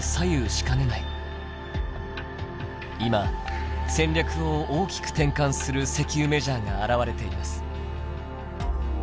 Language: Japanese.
今戦略を大きく転換する石油メジャーが現れています。